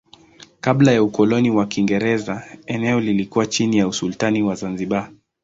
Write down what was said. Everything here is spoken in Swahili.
Kabla ya ukoloni wa Kiingereza eneo lilikuwa chini ya usultani wa Zanzibar.